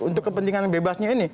untuk kepentingan bebasnya ini